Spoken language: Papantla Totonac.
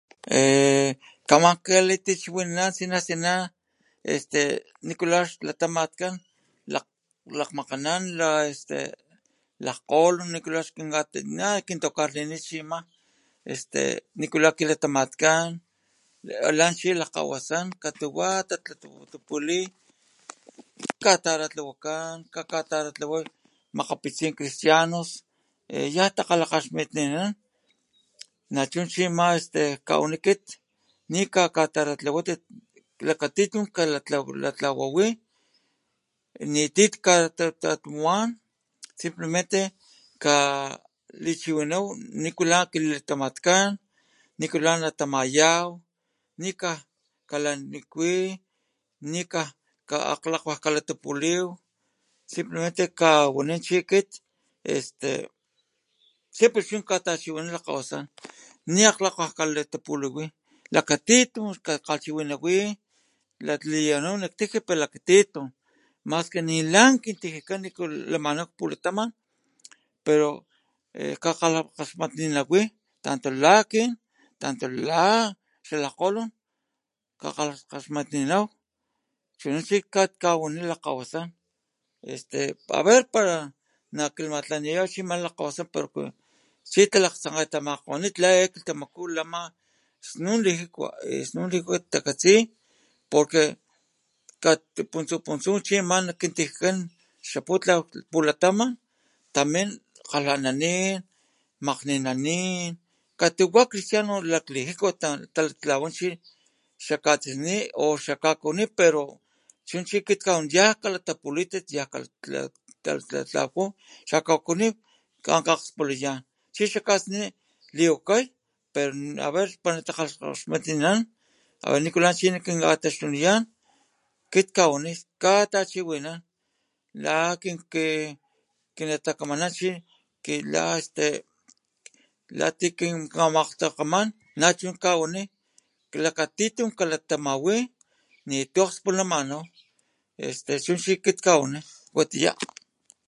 Eh... kaman kalitachiwinana tsina tsina este nikula xlatamatkan, lakgmakganan la este lakgolon nikula este nikula xik nakintokarlinit chima este nikula kilatamatkan la chi lakgawasan katuwa talatapulí kataratlawakan, kataratlaway makgapitsin cristianos eh yan talakgaxmitninan na chu chi ama este kawani kit nikakataratlawatit lakatitun ka kalatlawawí nití katalatlawan simplemente kalichiwinaw nikula kilatamatkan, nikula natamayaw, nikalanikwí, nikanka´alatapuliw simplemente kawaní chi kit este chí pus siempre chu katachiwinan lakgkgawasan ni ana kikankalatapuliwi lakatitun kakgalhchiwinawí lak layanaw nak tijía pero lakatitun más ki nilan kintijiakan niku lamanaw nak kinpulataman pero kakalakgaxpatninawí tanto la akin tanto la xalajkgolon kakgakgaxmatnimaw chuna chi kawani lakgawasan este aver para nakinmatlaniyaw ana lakgkgawasan pero chi talakgtsankgatamakgonit la e kilhtamaku lama snun lijikua, snun lijikua takatsi porqueka puntsu puntsu chi ama nak kintijiakan xa putlaw pulataman tamin kgalananin, makgninanín katuwa cristiano tamín lijikua talaktlawan chi xakatsisní o xakakuwiní pero chuna chi kit kawaní yajkalatapulitit sekg xakakuwini akgspulayaw chi xa katsisní liwakay pero a ver para natakgaxmatninan a ver nikula nakinkataxtuniyan kit kawaní kakatachiwinan la kit kinatakamanan chi la este la ti kin kamakgtsankgeman nachu kawaní lakatitun kalatamawi nitu akgspulamanaw este chu chi akit kawaní watiya.